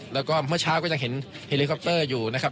แล้วก็เมื่อเช้าก็ยังเห็นเฮลิคอปเตอร์อยู่นะครับ